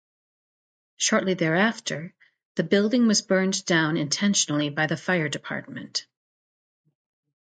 Shortly thereafter, the building was burned down intentionally by the fire department.